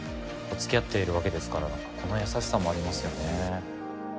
付き合っているわけですからこの優しさもありますよね。